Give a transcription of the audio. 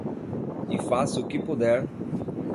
E faça o que puder